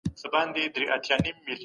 د پيغمبر سنت زموږ لارښود دی.